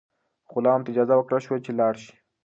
غلام ته اجازه ورکړل شوه چې لاړ شي.